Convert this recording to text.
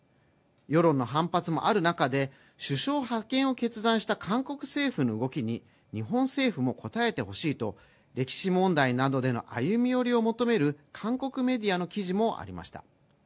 世論の反発もある中で、首相派遣を決断した韓国政府の動きに日本政府も応えてほしいと歴史問題などでの歩み寄りを求める韓国メディアの記事もありました。